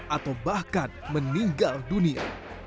atau bahkan meninggal dunia